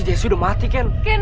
tapi saat ini